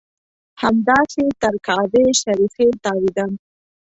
همداسې تر کعبې شریفې تاوېدم.